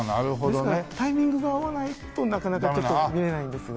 ですからタイミングが合わないとなかなかちょっと見れないんですが。